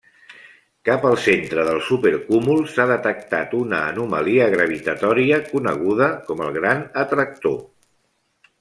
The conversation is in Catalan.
Cap al centre del supercúmul s'ha detectat una anomalia gravitatòria coneguda com el Gran Atractor.